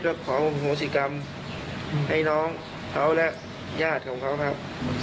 ความโอศิกรรมในน้องและญาติของเขาครับ